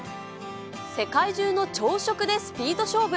世界中の朝食でスピード勝負。